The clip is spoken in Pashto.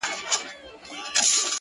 ته چي قدمونو كي چابكه سې ـ